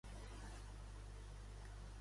Per què van es van mudar a la tenda de mobiliari?